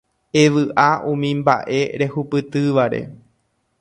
Evy'a umi mba'e rehupytývare